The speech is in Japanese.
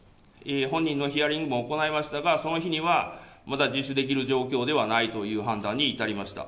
本人へのヒアリングも行いましたが、その日には、まだ自首できる状況ではないという判断に至りました。